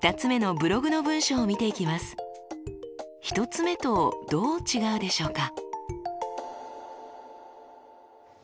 １つ目とどう違うでしょうか？